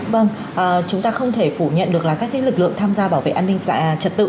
vâng chúng ta không thể phủ nhận được là các lực lượng tham gia bảo vệ an ninh trật tự